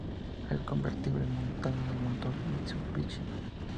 El convertible montaba el motor Mitsubishi.